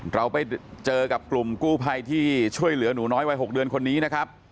เราไปเจอกับกลุ่มกู้ภัยที่ช่วยเหลือหนูน้อยวัย๖เดือนคนนี้นะครับ